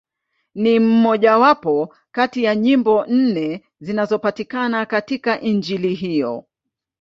Ni mmojawapo kati ya nyimbo nne zinazopatikana katika Injili hiyo.